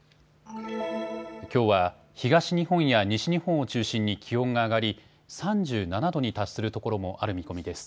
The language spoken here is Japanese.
きょうは東日本や西日本を中心に気温が上がり３７度に達するところもある見込みです。